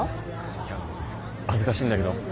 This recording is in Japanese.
いや恥ずかしいんだけど